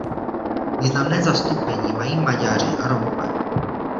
Významné zastoupení mají Maďaři a Romové.